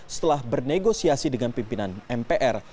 setelah bernegosiasi dengan pimpinan mpr